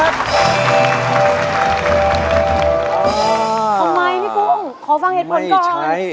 ทำไมพี่กุ้งขอฟังเหตุผลก่อน